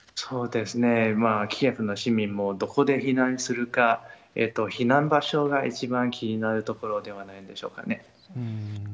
キエフの市民も、どこで避難するか、避難場所が一番気になるところではないんでしょうかね。